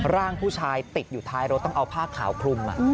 ร่างผู้ชายติดอยู่ท้ายรถต้องเอาผ้าขาวคลุม